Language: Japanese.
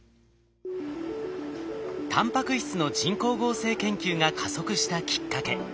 タンパク質の人工合成研究が加速したきっかけ。